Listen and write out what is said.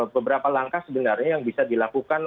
beberapa langkah sebenarnya yang bisa dilakukan